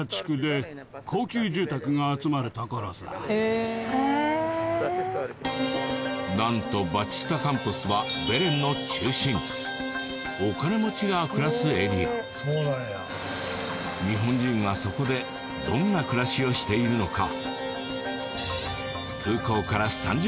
えーなんとバチスタカンポスはベレンの中心お金持ちが暮らすエリアそうなんや日本人はそこでどんな暮らしをしているのか？